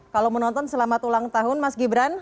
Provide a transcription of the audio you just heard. kalau menonton selamat ulang tahun mas gibran